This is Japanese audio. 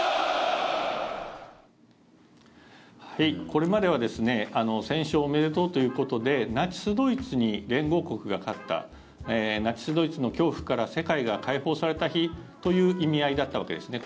これまでは戦勝おめでとうということでナチス・ドイツに連合国が勝ったナチス・ドイツの恐怖から世界が解放された日という意味合いだったわけですね。